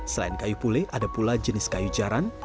selain kayu pule ada pula jenis kayu jaran